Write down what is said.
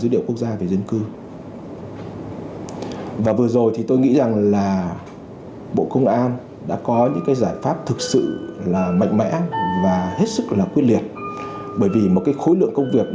bộ công an đã có những giải pháp thực sự mạnh mẽ và hết sức quyết liệt bởi vì một khối lượng công việc